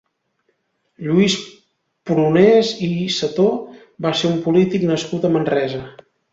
Lluís Prunés i Sató va ser un polític nascut a Manresa.